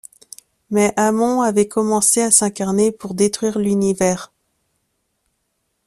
Mais Amon avait commencé à s'incarner pour détruire l’Univers.